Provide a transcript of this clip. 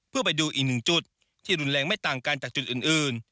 เพื่อไปดูอีกหนึ่งจุดที่รุนแรงไม่ต่างกันจากจุดอื่น